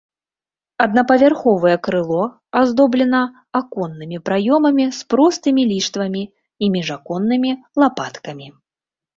Аднапавярховае крыло аздоблена аконнымі праёмамі з простымі ліштвамі і міжаконнымі лапаткамі.